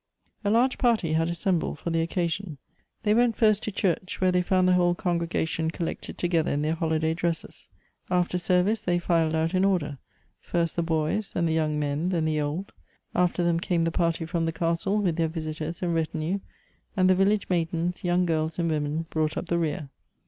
A large party had assembled for the occasion. They went fii st to church, where they found the whole congre gation collected together in their holiday dresses. After service, they filed out in order; first the boys, then the )'oung men, then the old : after them came the party from the castle, with their visitors and retinue; and the village maidens, young girls, and women, brought up the rear.